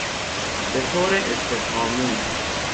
بطور استفهامی